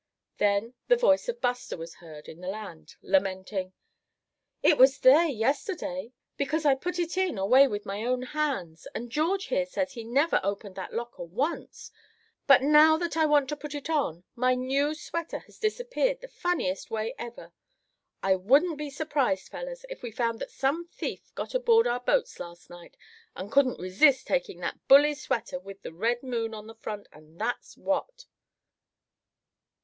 Then the voice of Buster was heard in the land, lamenting. "It was there yesterday, because I put it in away with my own hands; and George here says he never opened that locker once; but now that I want to put it on, my new sweater has disappeared the funniest way ever. I wouldn't be surprised, fellers, if we found that some thief got aboard our boats last night, and couldn't resist taking that bully sweater with the red moon on the front; and that's what!"